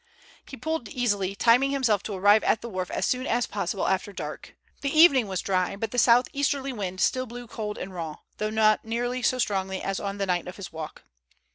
He pulled easily, timing himself to arrive at the wharf as soon as possible after dark. The evening was dry, but the south easterly wind still blew cold and raw, though not nearly so strongly as on the night of his walk.